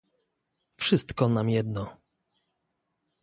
"Wszystko nam jedno!"